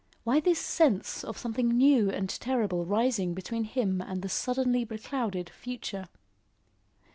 Why this sense of something new and terrible rising between him and the suddenly beclouded future?